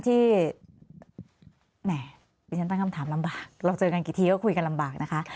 แหมดิฉันตั้งคำถามลำบากเราเจอกันกี่ทีก็คุยกันลำบากนะคะ